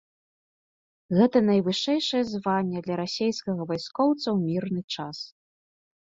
Гэта найвышэйшае званне для расейскага вайскоўца ў мірны час.